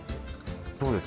どうです？